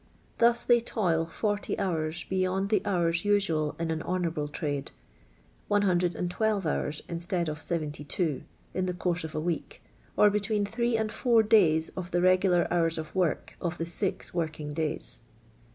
Thus they toil 40 hours beyond the hours usual in an honourable trade (112 hours instead of 72), in the course of a week, or between three and four days of the regular hours of work of the six working days.